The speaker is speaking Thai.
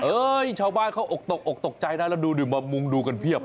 ชาวบ้านเขาอกตกอกตกใจนะแล้วดูดิมามุงดูกันเพียบ